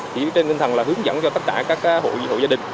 chỉ trên tinh thần là hướng dẫn cho tất cả các hội hộ gia đình